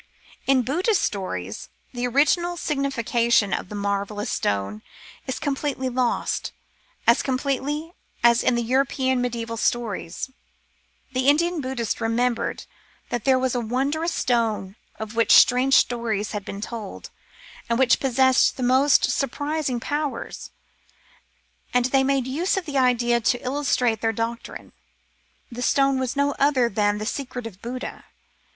In Buddhist stories, the original signification of the marvellous stone is completely lost, as completely as in the European mediaeval stories. The Indian 1 Bababathra, 74, 6. 296 The Philosopher's Stone Buddhists remembered that there was a wondrous stone of which strange stories had been told, and which possessed the most surprising powers, and they made use of the idea to illustrate their doctrine — the stone was no other than the secret of Buddha.